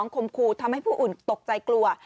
คมครูทำให้ผู้อื่นตกใจกลัว